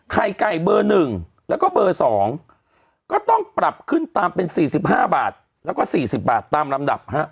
ไข่ไก่เบอร์๑แล้วก็เบอร์๒ก็ต้องปรับขึ้นตามเป็น๔๕บาทแล้วก็๔๐บาทตามลำดับฮะ